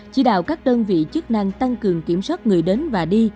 chỉ đạo các đơn vị chức năng tăng cường kiểm soát người đến và đi